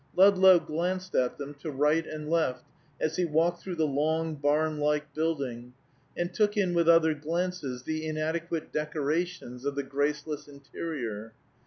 Ludlow glanced at them, to right and left, as he walked through the long, barn like building, and took in with other glances the inadequate decorations of the graceless interior.